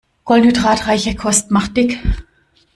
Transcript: Kohlenhydratreiche Kost macht dick.